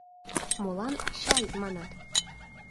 Молан «чай» манат?..